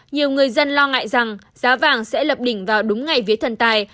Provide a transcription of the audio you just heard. nhiều người dân lo ngại rằng giá vàng sẽ lập đỉnh vào đúng ngày vía thần tài